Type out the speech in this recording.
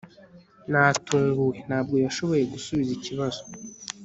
natunguwe, ntabwo yashoboye gusubiza ikibazo